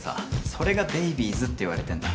それがベイビーズっていわれてんだ。